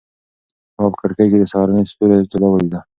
ما په کړکۍ کې د سهارني ستوري ځلا ولیده.